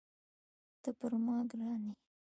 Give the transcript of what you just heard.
ته پر ما ګران یې